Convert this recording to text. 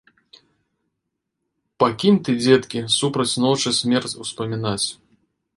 Пакінь ты, дзеткі, супроць ночы смерць успамінаць.